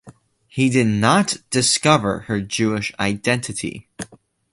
He did not discover her Jewish identity.